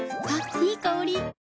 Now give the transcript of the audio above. いい香り。